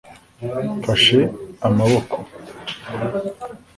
mfashe amaboko